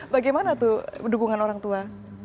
bagaimana tuh dukungan orang tua